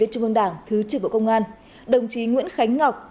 trung ương đảng thứ trưởng bộ công an đồng chí nguyễn khánh ngọc